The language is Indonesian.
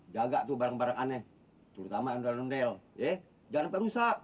jaga tuh barang barang aneh terutama andel ondel jangan sampai rusak